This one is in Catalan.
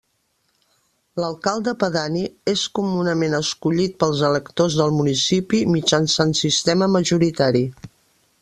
L'Alcalde Pedani és comunament escollit pels electors del municipi mitjançant sistema majoritari.